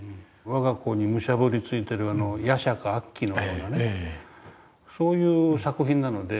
わが子にむしゃぶりついてる夜叉か悪鬼のようなねそういう作品なので。